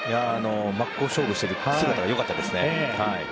真っ向勝負している姿が良かったですね。